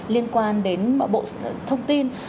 liên quan đến bộ thông tin